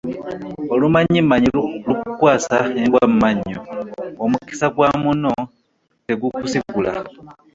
Olummanyimannyi lukukwasa embwa mu manyo. Omukisa gwa munno tegukusigula .